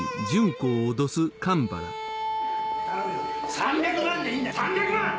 ３００万でいいんだよ３００万！